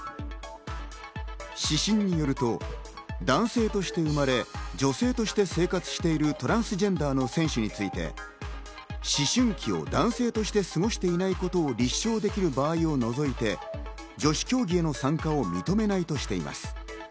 指針によると、男性として生まれ、女性として生活しているトランスジェンダーの選手について、思春期を男性として過ごしていないことを立証できる場合を除いて、女子競技への参加を認めないとしています。